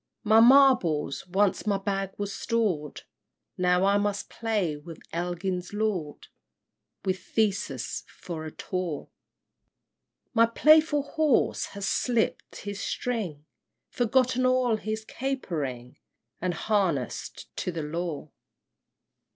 III. My marbles once my bag was stored, Now I must play with Elgin's lord, With Theseus for a taw! My playful horse has slipt his string, Forgotten all his capering, And harness'd to the law!